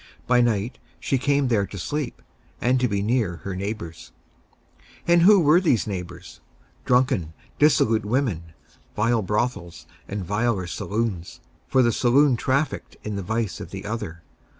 By night she came there to sleep, and to be near her neighbors. And who were these neighbors? Drunken, dissolute women, vile brothels and viler saloons, for the saloon trafficked in the vice of the other.